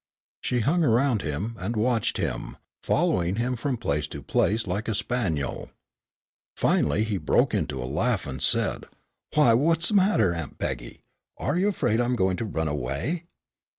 She hung around him, and watched him, following him from place to place like a spaniel. Finally he broke into a laugh and said, "Why, what's the matter, Aunt Peggy, are you afraid I'm going to run away?"